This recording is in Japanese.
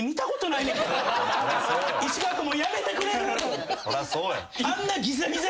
「石川君もうやめてくれる？」